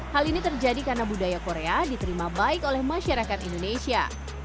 hal ini terjadi karena budaya korea diterima baik oleh masyarakat indonesia